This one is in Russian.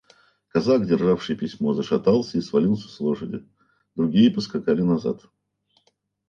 Казак, державший письмо, зашатался и свалился с лошади; другие поскакали назад.